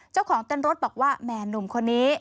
เจ้าของเต้นรถบอกว่าแหม่หนุ่มคนนี้